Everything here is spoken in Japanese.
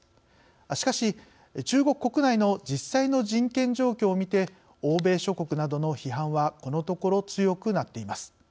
しかし、中国国内の実際の人権状況を見て欧米諸国などの批判はこのところ強くなっています。